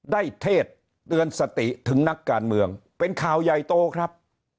เทศเตือนสติถึงนักการเมืองเป็นข่าวใหญ่โตครับ